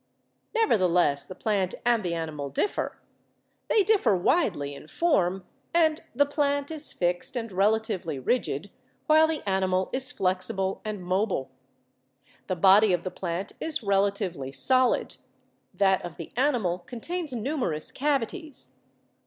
Nevertheless the plant and the animal differ. They differ widely in form, and the plant is fixed and relatively rigid, while the animal is flexible and mobile. The body of the plant is relatively solid ; that of the animal contains numerous cavities.